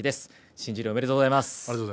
新十両おめでとうございます。